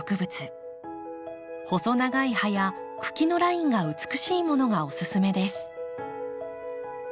細長い葉や茎のラインが美しいものがおすすめです。